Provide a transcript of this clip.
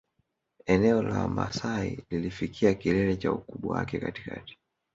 Eneo la Wamasai lilifikia kilele cha ukubwa wake katikati